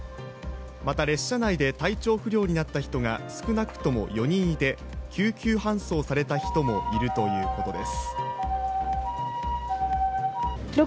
また列車内で体調不良になった人が少なくとも４人いて救急搬送された人もいるということです。